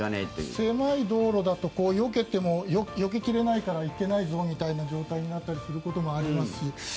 狭い道路だとよけてもよけ切れないから行けないぞみたいな状態になったりすることもありますし。